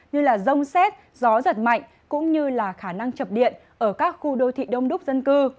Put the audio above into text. như rông xét gió giật mạnh cũng như là khả năng chập điện ở các khu đô thị đông đúc dân cư